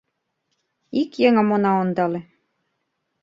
Ик еҥым она ондале.